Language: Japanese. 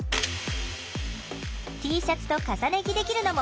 Ｔシャツと重ね着できるのもポイント。